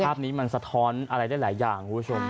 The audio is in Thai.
ภาพนี้มันสะท้อนอะไรได้หลายอย่างคุณผู้ชม